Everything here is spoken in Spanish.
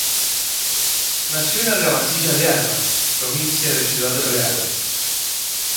Nació en Argamasilla de Alba, provincia de Ciudad Real.